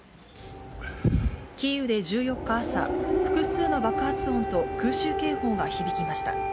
キーウで１４日朝、複数の爆発音と空襲警報が響きました。